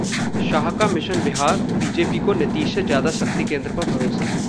शाह का mission Bihar: BJP को नीतीश से ज्यादा 'शक्ति केंद्र' पर भरोसा